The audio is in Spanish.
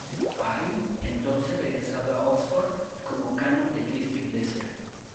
Pyle Entonces regresado a Oxford, como canon de Cristo Iglesia.